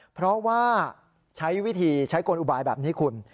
เพราะว่าใช้วิธีใช้กลอุบายแบบนี้คุณ